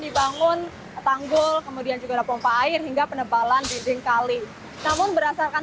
dibangun tanggul kemudian juga ada pompa air hingga penebalan dinding kali namun berdasarkan